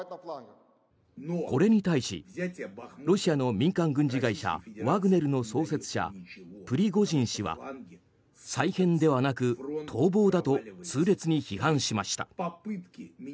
これに対しロシアの民間軍事会社ワグネルの創設者、プリゴジン氏は再編ではなく逃亡だと痛烈に批判しました。